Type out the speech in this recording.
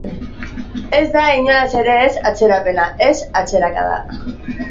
Ez da inolaz ere ez atzerapena, ez atzerakada.